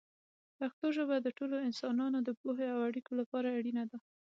پښتو ژبه د ټولو انسانانو د پوهې او اړیکو لپاره اړینه ده.